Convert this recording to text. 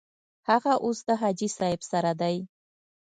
هغه اوس د حاجي صاحب سره دی.